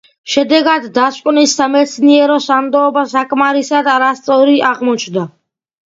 შედეგად, დასკვნის სამეცნიერო სანდოობა საკმარისად არასწორი აღმოჩნდა.